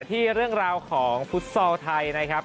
ที่เรื่องราวของฟุตซอลไทยนะครับ